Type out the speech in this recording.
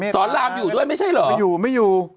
สอนรามอยู่ด้วยไม่ใช่เหรอ